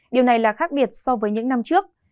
điều này là khác biệt so với những năm trước